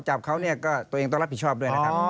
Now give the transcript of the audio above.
จับเขาเนี่ยก็ตัวเองต้องรับผิดชอบด้วยนะครับ